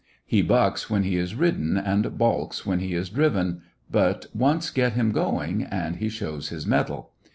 He bucks when he is ridden and balks when he is driven, but once get him going and he shows his mettle.